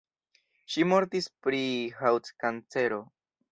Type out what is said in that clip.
Ŝi mortis pri haŭt-kancero.